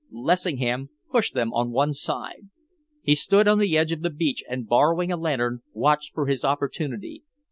Lessingham pushed them on one side. He stood on the edge of the beach and, borrowing a lantern, watched for his opportunity.